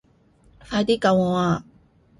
快啲救我啊